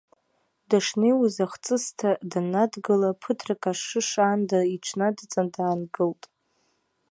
Дышнеиуаз ахҵысҭа даннадгыла, ԥыҭрак ашыш аанда иҽнадҵан даангылт.